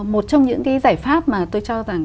một trong những cái giải pháp mà tôi cho rằng